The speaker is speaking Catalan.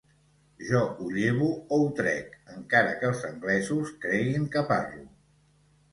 Jo ho llevo o ho trec, encara que els anglesos creguin que parlo.